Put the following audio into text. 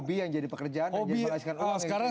hobi yang jadi pekerjaan dan menghasilkan uang